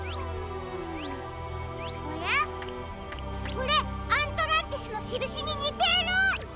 これアントランティスのしるしににてる！